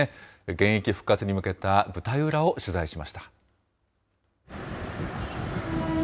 現役復活に向けた舞台裏を取材しました。